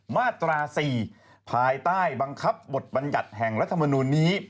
มาตรา๔ภายใต้บังคับบทบัญญัติแห่งรัฐมนูลนี้